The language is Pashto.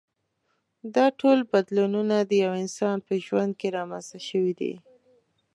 دا ټول بدلونونه د یوه انسان په ژوند کې رامنځته شوي دي.